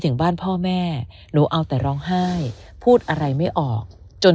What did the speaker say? ถึงบ้านพ่อแม่หนูเอาแต่ร้องไห้พูดอะไรไม่ออกจน